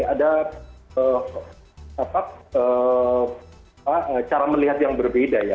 ada cara melihat yang berbeda ya